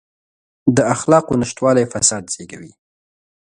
د اخلاقو نشتوالی فساد زېږوي.